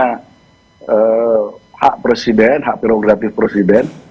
urusan itu sepenuhnya hak presiden hak prerogatif presiden